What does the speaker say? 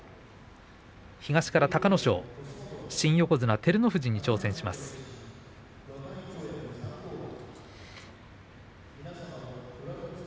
東から隆の勝新横綱照ノ富士に挑戦します。